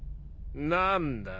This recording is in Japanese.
何だ？